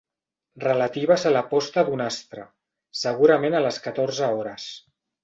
Relatives a la posta d'un astre, segurament a les catorze hores.